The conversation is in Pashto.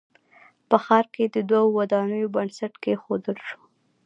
په ښار کښې د دوو ودانیو بنسټ کېښودل شو